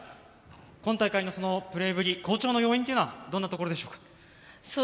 今大会のプレーぶり好調の要因というのはどんなところでしょうか？